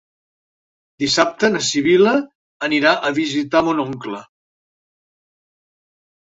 Dissabte na Sibil·la anirà a visitar mon oncle.